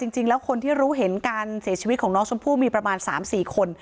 จริงแล้วคนที่รู้เห็นการเสียชีวิตของน้องชมพู่มีประมาณ๓๔คน